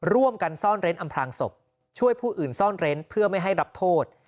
ร่วมกันซ่อนเร้นอำพลางศพช่วยผู้อื่นซ่อนเร้นเพื่อไม่ให้รับโทษ